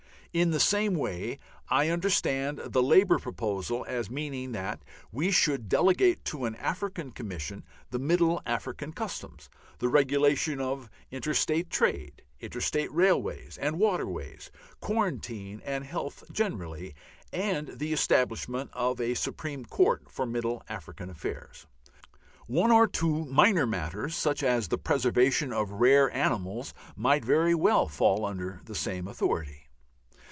In the same way I understand the Labour proposal as meaning that we should delegate to an African Commission the middle African Customs, the regulation of inter State trade, inter State railways and waterways, quarantine and health generally, and the establishment of a Supreme Court for middle African affairs. One or two minor matters, such as the preservation of rare animals, might very well fall under the same authority.